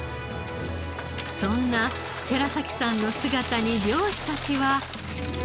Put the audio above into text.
そんな寺崎さんの姿に漁師たちは。